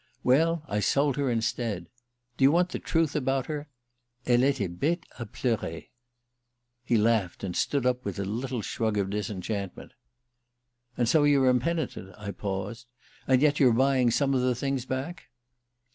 Well, I sold her instead. Do you want the truth about her? Elle etait bete a pleurer." He laughed, and stood up with a little shrug of disenchantment. "And so you're impenitent?" I paused. "And yet you're buying some of the things back?"